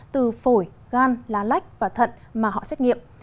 từ phổi gan lá lách và thận mà họ xét nghiệm